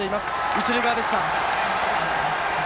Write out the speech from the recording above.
一塁側でした。